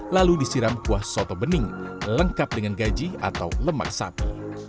lalu disiram kuah soto bening lengkap dengan gaji atau lemak sapi